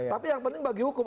tapi yang penting bagi hukum